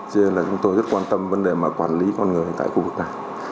cho nên là chúng tôi rất quan tâm vấn đề mà quản lý con người tại khu vực này